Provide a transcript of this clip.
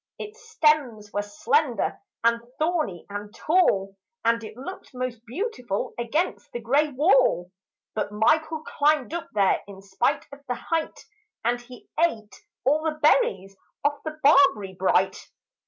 Its stems were slender and thorny and tall And it looked most beautiful against the grey wall. But Michael climbed up there In spite of the height And he ate all the berries off the barberry bright.